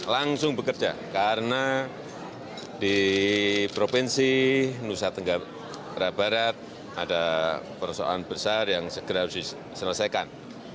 langsung bekerja karena di provinsi nusa tenggara barat ada persoalan besar yang segera harus diselesaikan